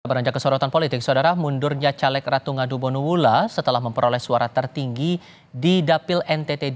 beranjak ke sorotan politik saudara mundurnya caleg ratu ngadu bonula setelah memperoleh suara tertinggi di dapil ntt dua